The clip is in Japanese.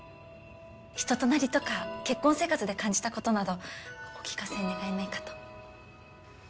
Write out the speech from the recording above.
人となりとか結婚生活で感じた事などお聞かせ願えないかと。